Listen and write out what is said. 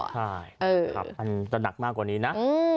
ใช่มันจะหนักมากกว่านี้นะ